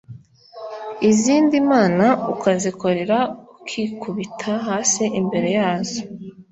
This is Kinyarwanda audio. Izindi mana ukazikorera ukikubita hasi imbere yazo